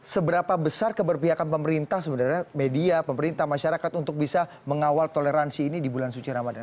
seberapa besar keberpihakan pemerintah sebenarnya media pemerintah masyarakat untuk bisa mengawal toleransi ini di bulan suci ramadan